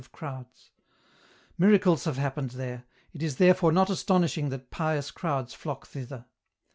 of crowds. Miracles have happened there ; it is therefore not astonishing that pious crowds flock thither.